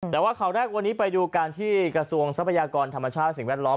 แต่ว่าข่าวแรกวันนี้ไปดูการที่กระทรวงทรัพยากรธรรมชาติสิ่งแวดล้อม